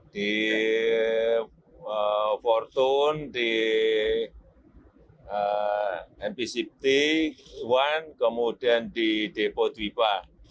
di fortun di mpct one kemudian di depo dwi pa